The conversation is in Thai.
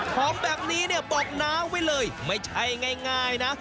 ของแบบนี้เนี่ยบอกน้ำไว้เลยไม่ใช่ง่ายนะ